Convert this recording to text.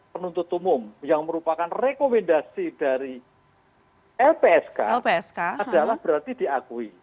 penuntut umum yang merupakan rekomendasi dari lpsk adalah berarti diakui